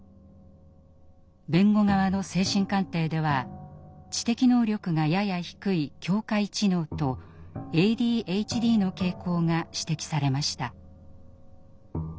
弁護側の精神鑑定では知的能力がやや低い「境界知能」と「ＡＤＨＤ」の傾向が指摘されました。